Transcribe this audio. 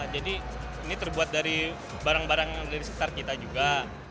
jadi ini terbuat dari barang barang dari sekitar kita juga